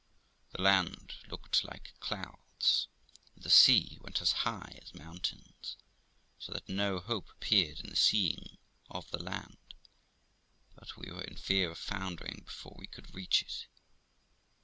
The land looked like clouds, and the sea went as high as mountains, so that no hope appeared in the seeing the land, but we were in fear of foundering before we could reach it.